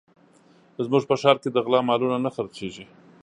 زموږ په ښار کې د غلا مالونه نه خرڅېږي